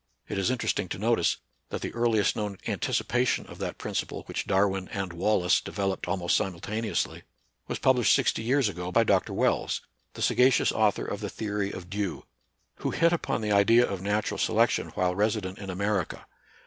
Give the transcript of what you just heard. It is interesting to notice that the earliest known anticipation of that principle which Darwin and Wallace developed almost simultaneously, was published sixty years ago, by Dr. Wells, the sagacious author of the theory of dew, who hit upon the idea of natu ral selection while resident in America.